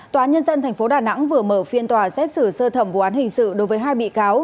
tòa nhân dân tp đà nẵng vừa mở phiên tòa xét xử sơ thẩm vụ án hình sự đối với hai bị cáo